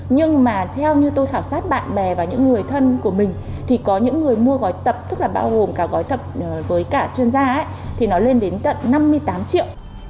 nhưng mà theo như tôi khảo sát bạn bè và những người thân của mình thì có những người mua gói tập tức là bao gồm cả gói tập với cả chuyên gia thì nó lên đến tận năm mươi tám triệu